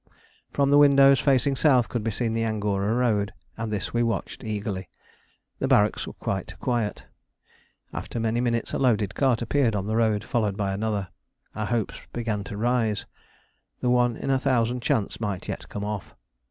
From the windows facing south could be seen the Angora road, and this we watched eagerly. The barracks were quite quiet. After many minutes a loaded cart appeared on the road followed by another. Our hopes began to rise. The one in a thousand chance might yet come off.